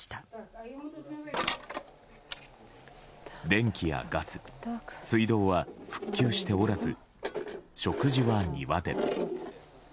電気やガス、水道は復旧しておらず、食事は庭で。